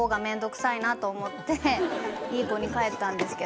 いい子に帰ったんですけど。